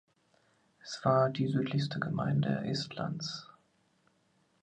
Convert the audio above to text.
Es war die südlichste Gemeinde Estlands.